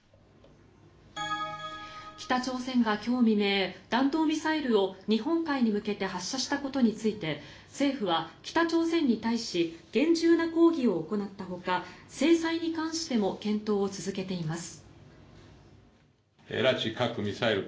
北朝鮮が今日未明弾道ミサイルを日本海に向けて発射したことについて政府は北朝鮮に対し厳重な抗議を行ったほか制裁に関しても検討を続けています。